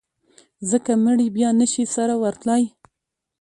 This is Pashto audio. ځکه مړي بیا نه شي سره ورتلای.